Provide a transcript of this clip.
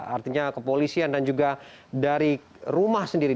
artinya kepolisian dan juga dari rumah sendiri